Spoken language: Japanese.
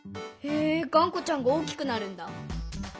へえがんこちゃんが大きくなるんだ。